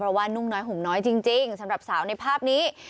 เพราะว่านุ่งน้อยห่มน้อยจริงสำหรับสาวในภาพนี้